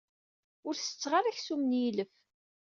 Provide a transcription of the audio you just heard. Ur setteɣ ara aksum n yilef.